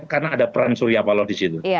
karena ada peran surya paloh disitu